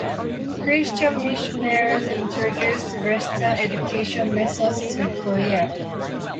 Christian missionaries introduced Western education methods to Kerala.